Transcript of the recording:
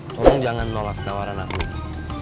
tolong jangan nolak tawaran aku ini